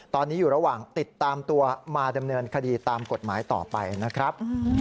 ตอนนี้อยู่ระหว่างติดตามตัวมาดำเนินคดีตามกฎหมายต่อไปนะครับ